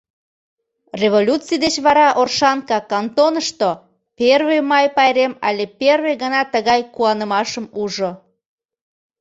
Революций деч вара Оршанка кантонышто Первый май пайрем але первый гана тыгай куанымашым ужо.